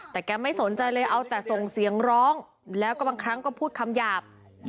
แต่แกไม่สนใจเลยเอาแต่ส่งเสียงร้องแล้วก็บางครั้งก็พูดคำหยาบ